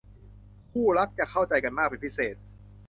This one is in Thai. คู่รักจะเข้าใจกันมากเป็นพิเศษ